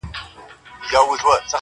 که ستا د غم حرارت ماته رسېدلی نه وای_